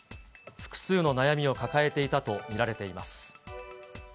複数の悩みを抱えていたと見られています。